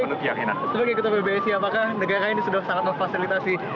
sebagai ketua pbsi apakah negara ini sudah sangat memfasilitasi